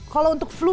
kalau untuk flu